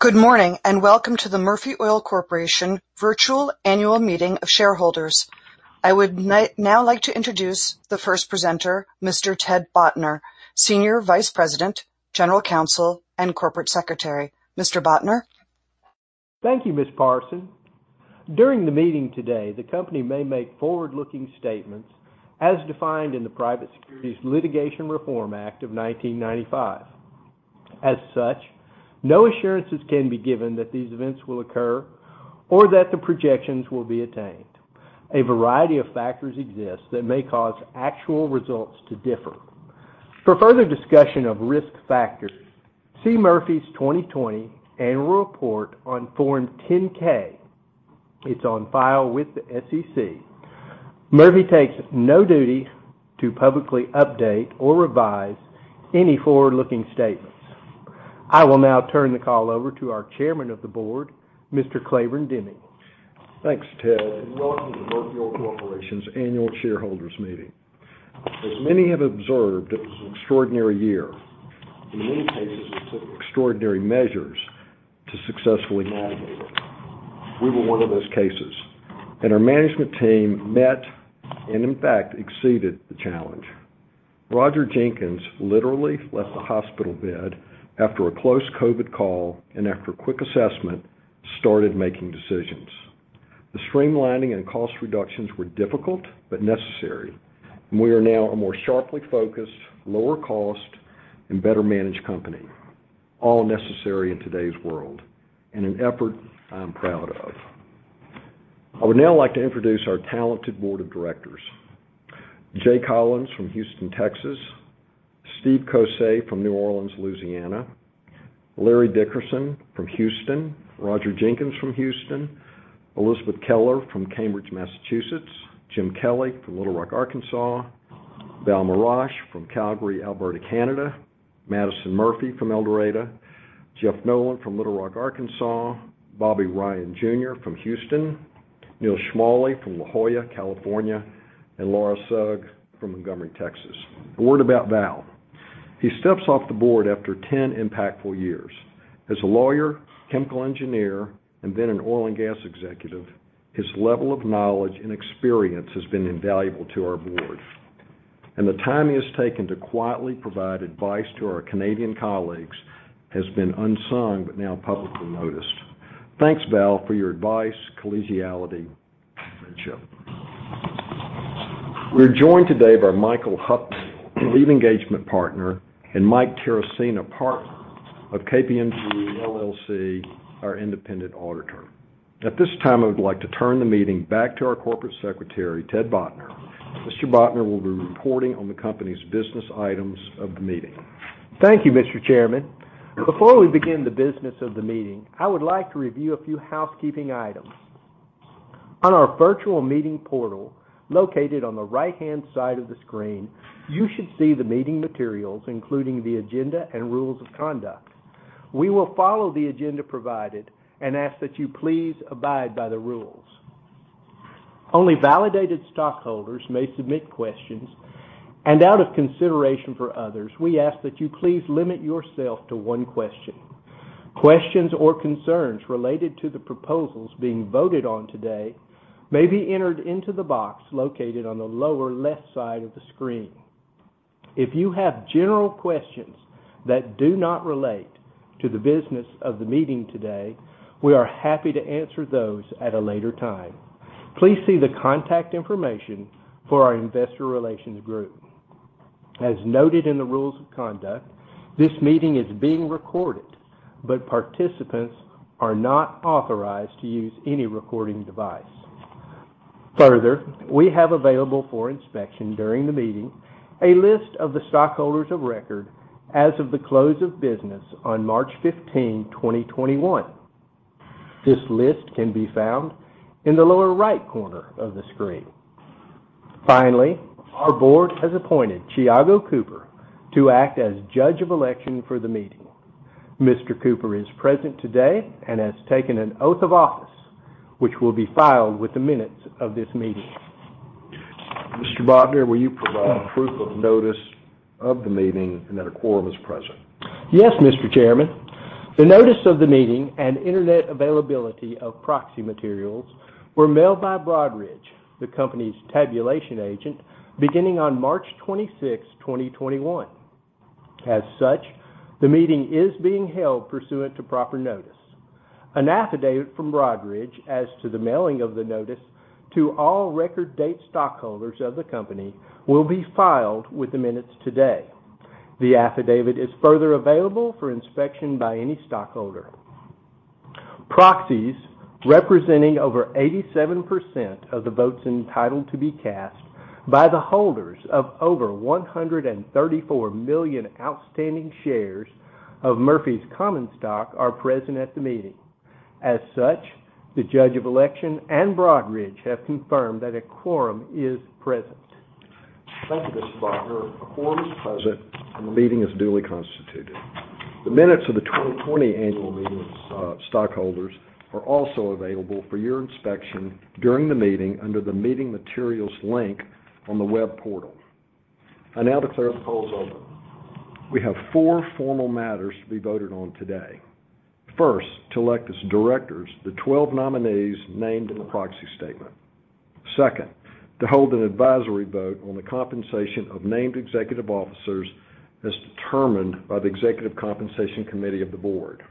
Good morning, and welcome to the Murphy Oil Corporation Virtual Annual Meeting of Shareholders. I would now like to introduce the first presenter, Mr. Ted Botner, Senior Vice President, General Counsel, and Corporate Secretary. Mr. Botner? Thank you, Ms. Parson. During the meeting today, the company may make forward-looking statements as defined in the Private Securities Litigation Reform Act of 1995. As such, no assurances can be given that these events will occur or that the projections will be attained. A variety of factors exist that may cause actual results to differ. For further discussion of risk factors, see Murphy's 2020 Annual Report on Form 10-K. It's on file with the SEC. Murphy takes no duty to publicly update or revise any forward-looking statements. I will now turn the call over to our Chairman of the Board, Mr. Claiborne Deming. Thanks, Ted, and welcome to Murphy Oil Corporation's Annual Shareholders Meeting. As many have observed, it was an extraordinary year. In many cases, it took extraordinary measures to successfully navigate it. We were one of those cases, and our management team met, and in fact, exceeded the challenge. Roger Jenkins literally left the hospital bed after a close COVID call, and after a quick assessment, started making decisions. The streamlining and cost reductions were difficult but necessary, and we are now a more sharply focused, lower cost, and better managed company, all necessary in today's world, and an effort I am proud of. I would now like to introduce our talented board of directors. Jay Collins from Houston, Texas, Steven A. Cossé from New Orleans, Louisiana, Lawrence R. Dickerson from Houston, Roger W. Jenkins from Houston, Elisabeth W. Keller from Cambridge, Massachusetts, Jim Kelly from Little Rock, Arkansas, Walentin Mirosh from Calgary, Alberta, Canada, Madison Murphy from El Dorado, Jeffrey W. Nolan from Little Rock, Arkansas, Robert N. Ryan, Jr. from Houston, Neal Schmale from La Jolla, California, and Laura Sugg from Montgomery, Texas. A word about Walentin. He steps off the board after 10 impactful years. As a lawyer, chemical engineer, and then an oil and gas executive, his level of knowledge and experience has been invaluable to our board. The time he has taken to quietly provide advice to our Canadian colleagues has been unsung but now publicly noticed. Thanks, Walentin, for your advice, collegiality, and friendship. We are joined today by Michael Hupp, Lead Engagement Partner, and Michael Terracina, Partner of KPMG LLP, our independent auditor. At this time, I would like to turn the meeting back to our Corporate Secretary, Ted Botner. Mr. Botner will be reporting on the company's business items of the meeting. Thank you, Mr. Chairman. Before we begin the business of the meeting, I would like to review a few housekeeping items. On our virtual meeting portal, located on the right-hand side of the screen, you should see the meeting materials, including the agenda and rules of conduct. We will follow the agenda provided and ask that you please abide by the rules. Only validated stockholders may submit questions, and out of consideration for others, we ask that you please limit yourself to one question. Questions or concerns related to the proposals being voted on today may be entered into the box located on the lower left side of the screen. If you have general questions that do not relate to the business of the meeting today, we are happy to answer those at a later time. Please see the contact information for our investor relations group. As noted in the rules of conduct, this meeting is being recorded, but participants are not authorized to use any recording device. Further, we have available for inspection during the meeting, a list of the stockholders of record as of the close of business on March 15, 2021. This list can be found in the lower right corner of the screen. Finally, our board has appointed Thiago Cooper to act as Judge of Election for the meeting. Mr. Cooper is present today and has taken an oath of office, which will be filed with the minutes of this meeting. Mr. Botner, will you provide proof of notice of the meeting and that a quorum is present? Yes, Mr. Chairman. The notice of the meeting and internet availability of proxy materials were mailed by Broadridge, the company's tabulation agent, beginning on March 26, 2021. As such, the meeting is being held pursuant to proper notice. An affidavit from Broadridge as to the mailing of the notice to all record date stockholders of the company will be filed with the minutes today. The affidavit is further available for inspection by any stockholder. Proxies representing over 87% of the votes entitled to be cast by the holders of over 134 million outstanding shares of Murphy's common stock are present at the meeting. As such, the Judge of Election and Broadridge have confirmed that a quorum is present. Thank you, Mr. Botner. A quorum is present, and the meeting is duly constituted. The minutes of the 2020 annual meeting of stockholders are also available for your inspection during the meeting under the Meeting Materials link on the web portal. I now declare the polls open. We have four formal matters to be voted on today. First, to elect as directors the 12 nominees named in the proxy statement. Second, to hold an advisory vote on the compensation of named executive officers as determined by the Executive Compensation Committee of the board.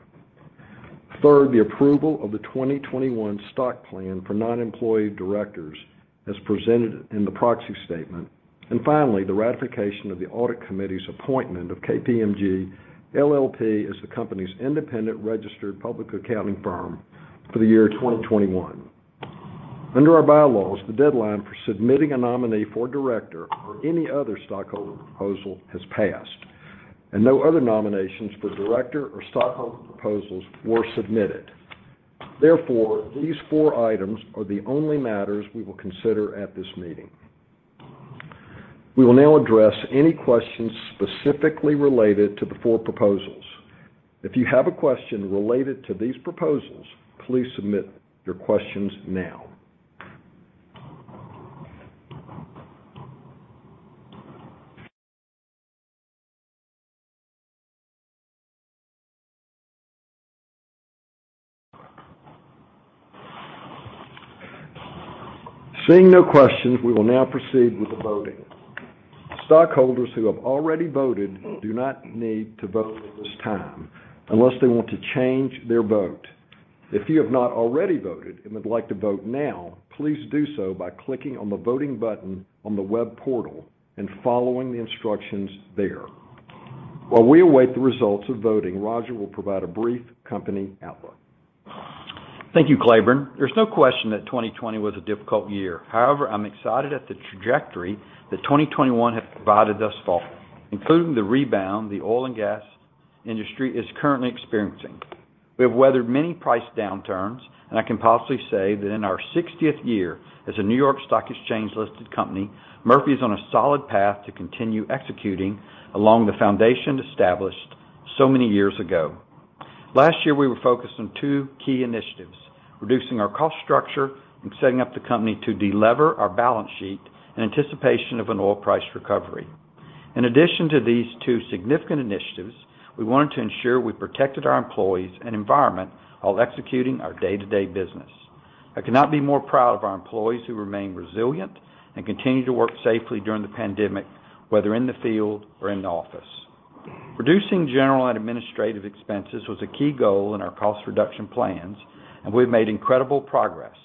Third, the approval of the 2021 stock plan for non-employee directors as presented in the proxy statement. Finally, the ratification of the audit committee's appointment of KPMG LLP as the company's independent registered public accounting firm for the year 2021. Under our bylaws, the deadline for submitting a nominee for director or any other stockholder proposal has passed, and no other nominations for director or stockholder proposals were submitted. Therefore, these four items are the only matters we will consider at this meeting. We will now address any questions specifically related to the four proposals. If you have a question related to these proposals, please submit your questions now. Seeing no questions, we will now proceed with the voting. Stockholders who have already voted do not need to vote at this time unless they want to change their vote. If you have not already voted and would like to vote now, please do so by clicking on the Voting button on the web portal and following the instructions there. While we await the results of voting, Roger will provide a brief company outlook. Thank you, Claiborne. There's no question that 2020 was a difficult year. However, I'm excited at the trajectory that 2021 has provided thus far, including the rebound the oil and gas industry is currently experiencing. We have weathered many price downturns, and I can positively say that in our 60th year as a New York Stock Exchange-listed company, Murphy is on a solid path to continue executing along the foundation established so many years ago. Last year, we were focused on two key initiatives, reducing our cost structure and setting up the company to de-lever our balance sheet in anticipation of an oil price recovery. In addition to these two significant initiatives, we wanted to ensure we protected our employees and environment while executing our day-to-day business. I cannot be more proud of our employees who remain resilient and continue to work safely during the pandemic, whether in the field or in the office. Reducing general and administrative expenses was a key goal in our cost reduction plans, and we've made incredible progress.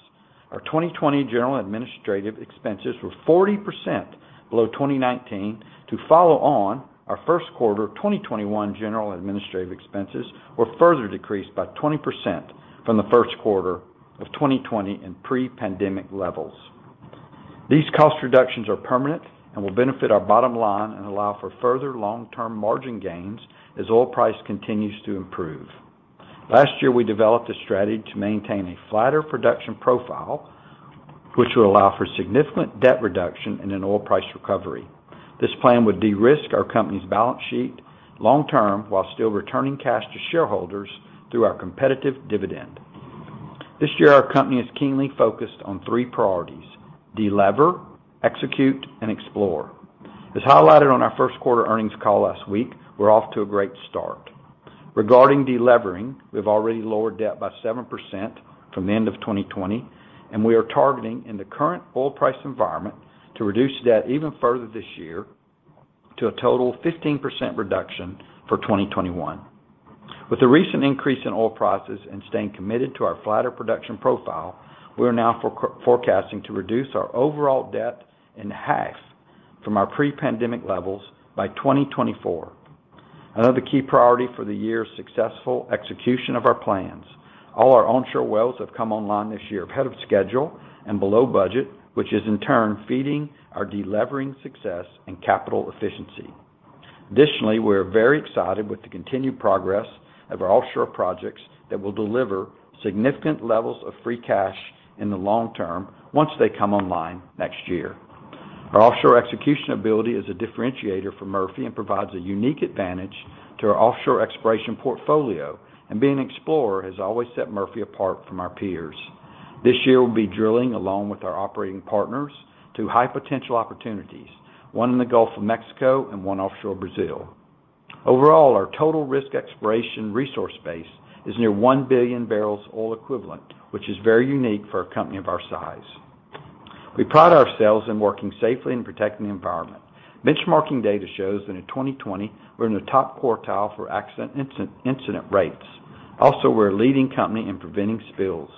Our 2020 general administrative expenses were 40% below 2019. To follow on, our first quarter 2021 general administrative expenses were further decreased by 20% from the first quarter of 2020 and pre-pandemic levels. These cost reductions are permanent and will benefit our bottom line and allow for further long-term margin gains as oil price continues to improve. Last year, we developed a strategy to maintain a flatter production profile, which will allow for significant debt reduction in an oil price recovery. This plan would de-risk our company's balance sheet long-term while still returning cash to shareholders through our competitive dividend. This year, our company is keenly focused on three priorities: de-lever, execute, and explore. As highlighted on our first-quarter earnings call last week, we're off to a great start. Regarding de-levering, we've already lowered debt by 7% from the end of 2020, and we are targeting in the current oil price environment to reduce debt even further this year to a total of 15% reduction for 2021. With the recent increase in oil prices and staying committed to our flatter production profile, we are now forecasting to reduce our overall debt in half from our pre-pandemic levels by 2024. Another key priority for the year is successful execution of our plans. All our onshore wells have come online this year ahead of schedule and below budget, which is in turn feeding our de-levering success and capital efficiency. Additionally, we're very excited with the continued progress of our offshore projects that will deliver significant levels of free cash in the long term once they come online next year. Our offshore execution ability is a differentiator for Murphy and provides a unique advantage to our offshore exploration portfolio, and being an explorer has always set Murphy apart from our peers. This year, we'll be drilling along with our operating partners two high-potential opportunities, one in the Gulf of Mexico and one offshore Brazil. Overall, our total risk exploration resource base is near one billion barrels oil equivalent, which is very unique for a company of our size. We pride ourselves in working safely and protecting the environment. Benchmarking data shows that in 2020; we're in the top quartile for accident incident rates. We're a leading company in preventing spills.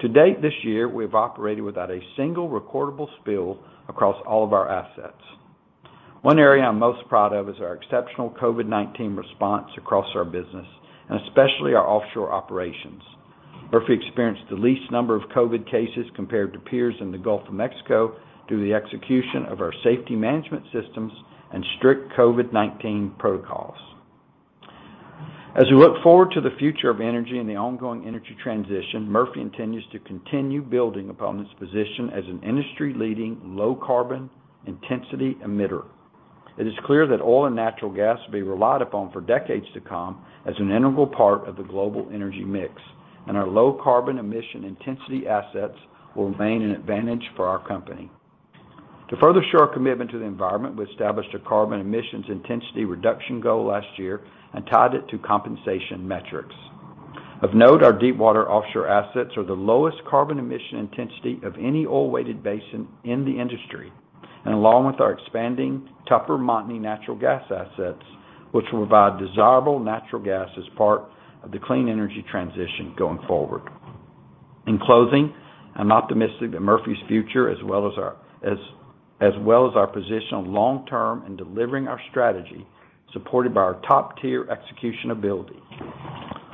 To date this year, we have operated without a single recordable spill across all of our assets. One area I'm most proud of is our exceptional COVID-19 response across our business, and especially our offshore operations. Murphy experienced the least number of COVID cases compared to peers in the Gulf of Mexico through the execution of our safety management systems and strict COVID-19 protocols. As we look forward to the future of energy and the ongoing energy transition, Murphy continues to continue building upon its position as an industry-leading low carbon intensity emitter. It is clear that oil and natural gas will be relied upon for decades to come as an integral part of the global energy mix. Our low carbon emission intensity assets will remain an advantage for our company. To further show our commitment to the environment, we established a carbon emissions intensity reduction goal last year and tied it to compensation metrics. Of note, our deep water offshore assets are the lowest carbon emission intensity of any oil-weighted basin in the industry. Along with our expanding Tupper-Montney natural gas assets, which will provide desirable natural gas as part of the clean energy transition going forward. In closing, I'm optimistic that Murphy's future, as well as our position on long-term and delivering our strategy, supported by our top-tier execution ability,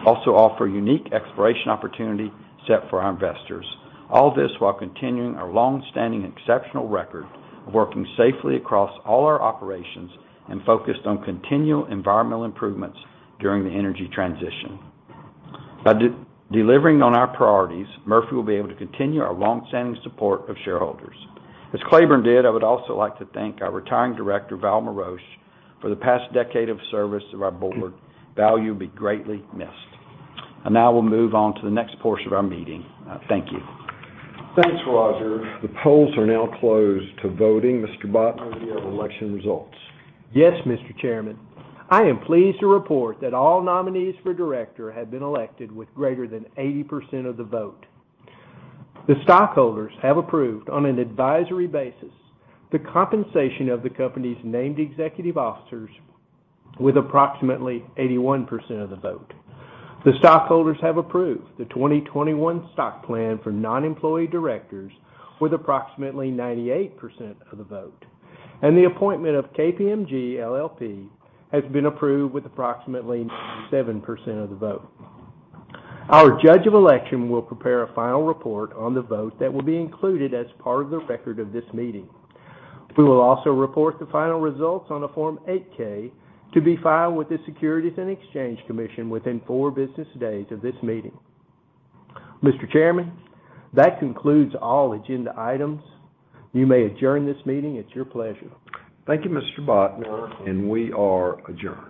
also offer unique exploration opportunity set for our investors. All this while continuing our long-standing exceptional record of working safely across all our operations and focused on continual environmental improvements during the energy transition. By delivering on our priorities, Murphy will be able to continue our long-standing support of shareholders. As Claiborne did, I would also like to thank our retiring director, Walentin Mirosh, for the past decade of service to our board. Val, you'll be greatly missed. Now we'll move on to the next portion of our meeting. Thank you. Thanks, Roger. The polls are now closed to voting. Mr. Botner, do you have election results? Yes, Mr. Chairman. I am pleased to report that all nominees for director have been elected with greater than 80% of the vote. The stockholders have approved on an advisory basis the compensation of the company's named executive officers with approximately 81% of the vote. The stockholders have approved the 2021 stock plan for non-employee directors with approximately 98% of the vote. The appointment of KPMG LLP has been approved with approximately 97% of the vote. Our judge of election will prepare a final report on the vote that will be included as part of the record of this meeting. We will also report the final results on a Form 8-K to be filed with the Securities and Exchange Commission within four business days of this meeting. Mr. Chairman, that concludes all agenda items. You may adjourn this meeting at your pleasure. Thank you, Mr. Botner, we are adjourned.